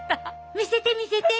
見せて見せて！